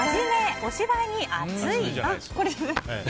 お芝居に熱い！